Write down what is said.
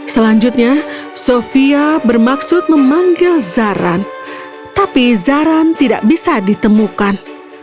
selanjutnya sofia bermaksud memanggil zaran tapi zaran tidak bisa ditemukan